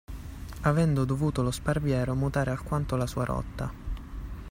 Avendo dovuto lo Sparviero mutare alquanto la sua rotta